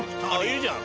いるじゃん